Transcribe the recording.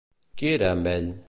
Qui era amb ell?